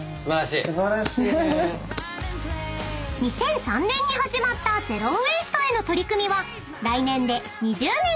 ［２００３年に始まったゼロ・ウェイストへの取り組みは］